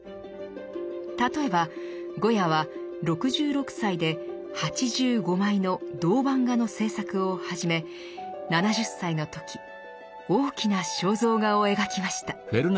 例えばゴヤは６６歳で８５枚の銅版画の制作を始め７０歳の時大きな肖像画を描きました。